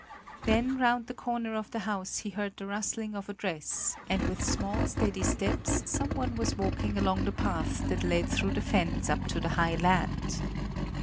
Then round the corner of the house he heard the rustling of a dress, and with small steady steps someone was walking along the path that led through the fens up to the high land.